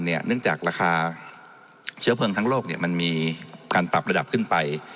เนื่องจากราคาเชื้อเพลิงทั้งโลกมันมีการปรับระดับขึ้นไป